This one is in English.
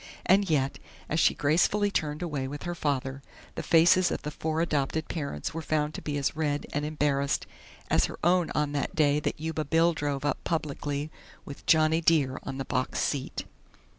And yet, as she gracefully turned away with her father, the faces of the four adopted parents were found to be as red and embarrassed as her own on the day that Yuba Bill drove up publicly with "Johnny Dear" on the box seat.